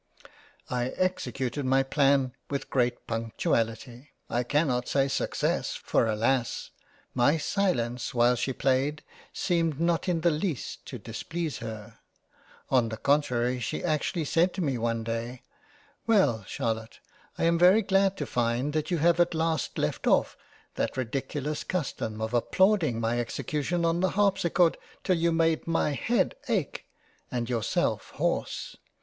I executed my Plan with great Punctuality. I can not say success, for alas ! my silence while she played seemed not in the least to displease her ; on the contrary she actually said to me one day " Well Charlotte, I am very glad to find that you have at last left off that ridiculous custom of applauding my Execution on the Harpsichord till you made my head ake, and yourself hoarse.